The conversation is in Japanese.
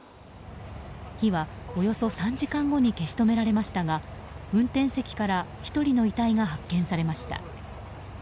火はおよそ３時間後に消し止められましたが運転席から１人の遺体が発見されました。